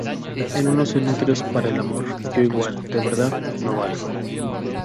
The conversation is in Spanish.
en unos cenutrios para el amor. yo igual, de verdad, no valgo.